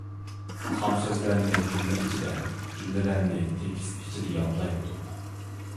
خام سۆزلەرنى جۈملە ئىچىدە، جۈملىلەرنى تېكىست ئىچىدە يادلايتتۇق.